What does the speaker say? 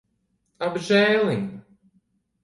Apžēliņ.